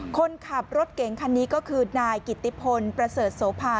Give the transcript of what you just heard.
คนขับรถเก๋งคันนี้ก็คือนายกิติพลประเสริฐโสภา